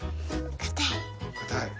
かたい？